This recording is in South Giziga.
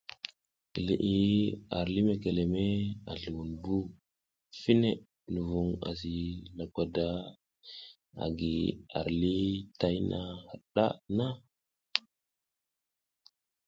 Liʼi nga ar lih mekeleme a zluwunvu fine luvuŋ asi lagwada agi ar lih tayna haɗa nha.